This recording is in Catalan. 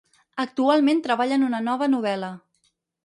Actualment treballa en una nova novel·la.